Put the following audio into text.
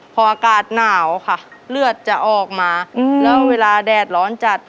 พออากาศหนาวค่ะเลือดจะออกมาแล้วเวลาแดดร้อนจัด